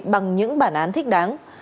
bằng những bản án thích đáng